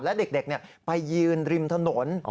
แล้วเด็กเนี่ยไปยืนริมถนน